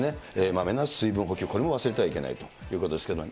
まめな水分補給、これも忘れてはいけないということですけど。